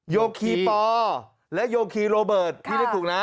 โยคีปอและโยคีโรเบิร์ตพี่เรียกถูกนะ